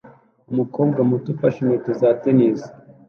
Umukobwa muto ufashe inkweto za tennis